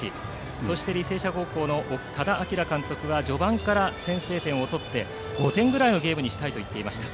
そして履正社高校の多田晃監督は序盤から先制点を取って５点ぐらいのゲームにしたいと言っていました。